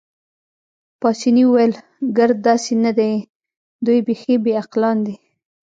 پاسیني وویل: ګرد داسې نه دي، دوی بیخي بې عقلان دي.